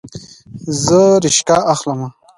زه ریکشه اخلمه